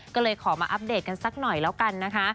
ก็เลยขอมาอัปเดตกันสักหน่อยแล้วกันนะคะ